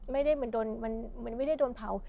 ไม่ได้เหมือนโดนมันไม่ได้โดนเผา